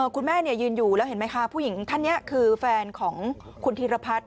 คุณแม่ยืนอยู่แล้วเห็นไหมคะผู้หญิงท่านนี้คือแฟนของคุณธีรพัฒน์